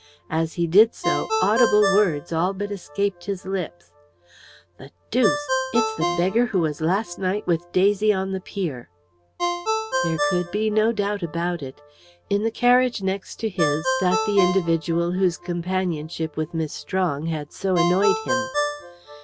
As he did so audible words all but escaped his lips. "The deuce! it's the beggar who was last night with Daisy on the pier." There could not be a doubt about it; in the carriage next to his sat the individual whose companionship with Miss Strong had so annoyed him.